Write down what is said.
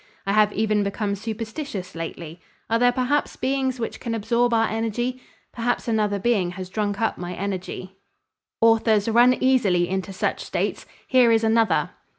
I have even become superstitious lately. Are there perhaps beings which can absorb our energy? Perhaps another being has drunk up my energy." Authors run easily into such states. Here is another.